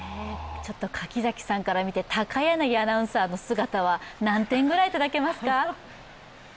柿崎さんから見て、高柳アナウンサーの姿は何点ぐらいいただけますか？